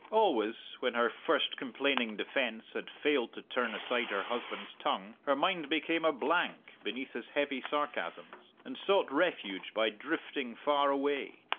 Always when her first complaining defence had failed to turn aside her husband's tongue, her mind became a blank beneath his heavy sarcasms, and sought refuge by drifting far away.